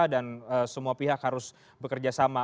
dan semua pihak harus bekerja sama